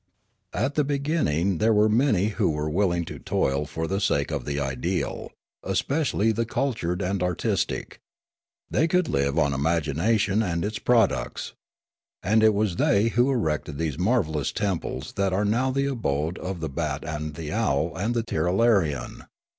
" At the beginning there were many who were will ing to toil for the sake of the ideal, especially the cul tured and artistic. They could live on imagination and its products. And it was they who erected these marvellous temples that are now the abode of the bat and the owl and the Tirralarian.